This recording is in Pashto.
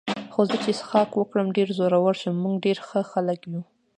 خو زه چې څښاک وکړم ډېر زړور شم، موږ ډېر ښه خلک یو.